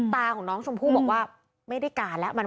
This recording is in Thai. ตาของน้องชมพู่ไม่ได้การแล้ง